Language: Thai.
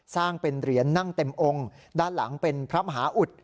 สร้างเป็นเหรียญนั่งเต็มองค์ด้านหลังเป็นพระมหาอุด